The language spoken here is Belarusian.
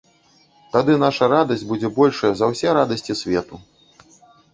Тады наша радасць будзе большая за ўсе радасці свету.